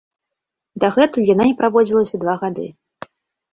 Дагэтуль яна не праводзілася два гады.